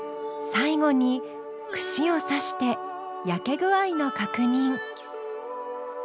最後に串を刺して焼け具合の確認。